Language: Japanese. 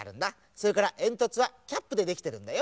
それからえんとつはキャップでできてるんだよ。